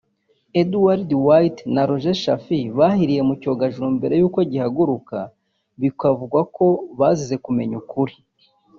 Edward White na Roger Chaffee bahiriye mu cyogajuru mbere y'uko gihaguruka bikavugwa ko bazize kumenya ukuri